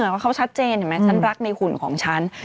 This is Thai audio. ว่าเขาชัดเจนเห็นไหมฉันรักในหุ่นของฉัน